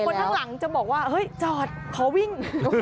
คนข้างหลังจะบอกว่าเฮ้ยจอดขอวิ่ง